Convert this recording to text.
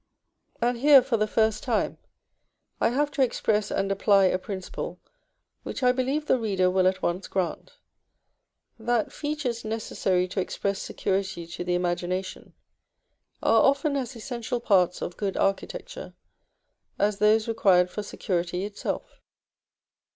And here for the first time, I have to express and apply a principle, which I believe the reader will at once grant, that features necessary to express security to the imagination, are often as essential parts of good architecture as those required for security itself.